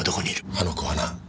あの子はな